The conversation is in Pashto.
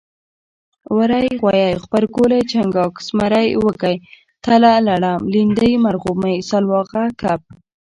وری غوایي غبرګولی چنګاښ زمری وږی تله لړم لیندۍ مرغومی سلواغه کب